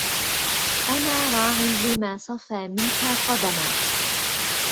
أنا راع لما صفا منك قدما